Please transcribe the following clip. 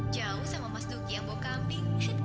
jauh sama mas duki yang bawa kambing